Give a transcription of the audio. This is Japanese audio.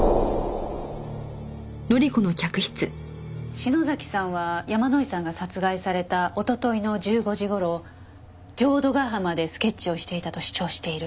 篠崎さんは山井さんが殺害された一昨日の１５時頃浄土ヶ浜でスケッチをしていたと主張している。